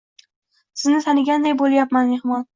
– Sizni tanigandek bo‘lyapman, mehmon